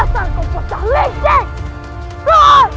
dasar kau potah licik